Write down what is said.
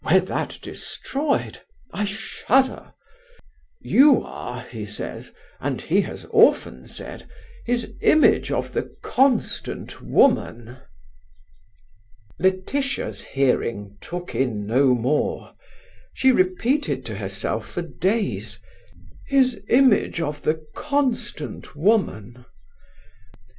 Were that destroyed I shudder! You are, he says, and he has often said, his image of the constant woman." Laetitia's hearing took in no more. She repeated to herself for days: "His image of the constant woman!"